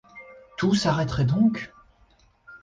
Tout s’arrêterait donc?